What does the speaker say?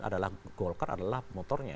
adalah golkar adalah promotornya